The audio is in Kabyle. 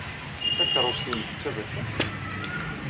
Takeṛṛust-nnek d taberkant?